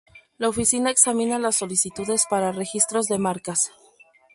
La Oficina examina las solicitudes para registros de marcas.